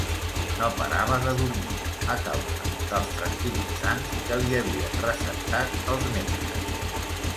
No parava de dormir, a causa dels tranquil·litzants que li havien receptat els metges.